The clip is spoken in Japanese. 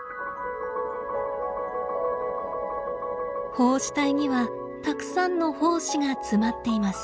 胞子体にはたくさんの胞子が詰まっています。